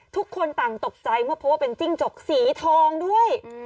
ทุกคนต่างตกใจเมื่อพบว่าเป็นจิ้งจกสีทองด้วย